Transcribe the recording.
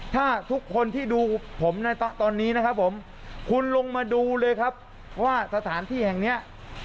ถ้าทุกคนที่ดูผมในตอนนี้นะครับผมคุณลงมาดูเลยครับว่าสถานที่แห่งเนี้ย